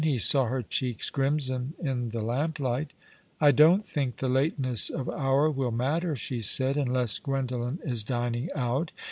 He saw her cheeks crimson in the lamplight. " I don't think the lateness of hour will matter," she said, "unless Gwendolen is diniDg out.